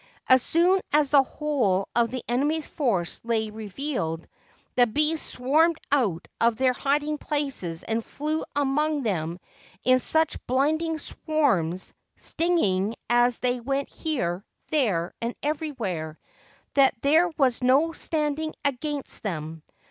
As soon as the whole of th( enemy's force lay revealed, the bees swarmed out of theii hiding places, and flew among them in such blinding swarms — stinging as they went here, there, and every when — that there was no standing against them.